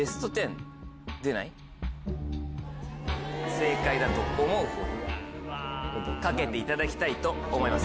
正解だと思うほうに賭けていただきたいと思います。